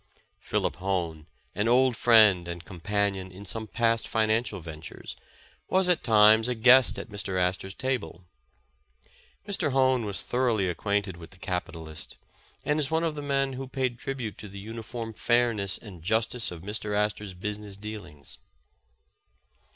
Philip Hone, an old friend and companion in some past financial ventures, was at times a guest at Mr. Astor 's table. Mr, Hone was thoroughly ac quainted with the capitalist, and is one of the men who paid tribute to the uniform fairness and justice of Mr. Astor 's business dealings.